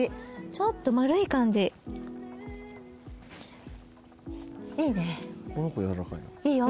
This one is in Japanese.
ちょっと丸い感じいいねいいよ